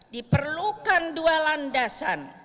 diperlukan dua landasan